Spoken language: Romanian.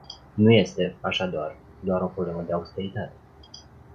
Nu este, așadar, doar o problemă de austeritate.